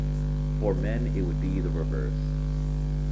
For men, it would be the reverse.